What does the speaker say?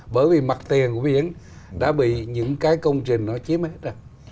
bởi vì mặt tiền của biển đã bị những cái công trình nó chiếm hết rồi